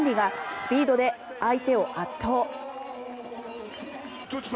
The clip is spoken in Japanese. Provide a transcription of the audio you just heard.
スピードで相手を圧倒。